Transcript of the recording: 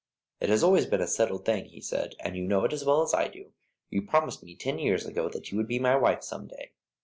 "It has always been a settled thing," he said, "and you know it as well as I do. You promised me ten years ago that you would be my wife some day."